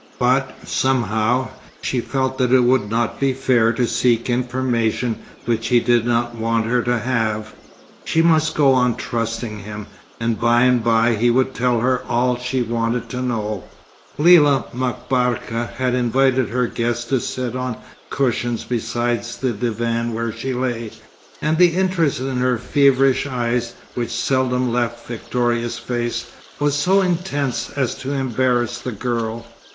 But, somehow, she felt that it would not be fair to seek information which he did not want her to have. She must go on trusting him, and by and by he would tell her all she wanted to know. Lella M'Barka had invited her guest to sit on cushions beside the divan where she lay, and the interest in her feverish eyes, which seldom left Victoria's face, was so intense as to embarrass the girl.